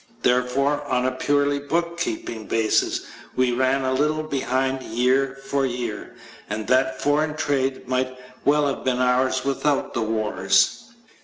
Therefore, on a purely bookkeeping basis, we ran a little behind year for year, and that foreign trade might well have been ours without the wars.